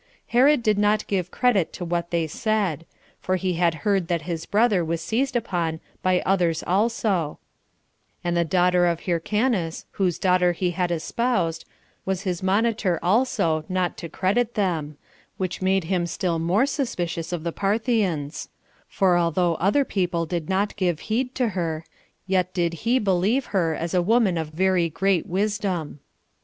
Herod did not give credit to what they said; for he had heard that his brother was seized upon by others also; and the daughter of Hyrcanus, whose daughter he had espoused, was his monitor also [not to credit them], which made him still more suspicious of the Parthians; for although other people did not give heed to her, yet did he believe her as a woman of very great wisdom.